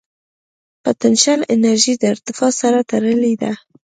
پټنشل انرژي د ارتفاع سره تړلې ده.